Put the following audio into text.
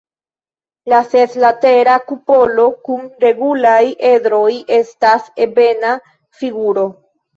La seslatera kupolo kun regulaj edroj estas ebena figuro.